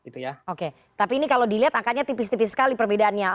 tapi ini kalau dilihat angkanya tipis tipis sekali perbedaannya